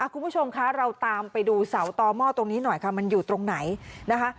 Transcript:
คุณผู้ชมคะเราตามไปดูเสาต่อหม้อตรงนี้หน่อยค่ะมันอยู่ตรงไหนนะคะ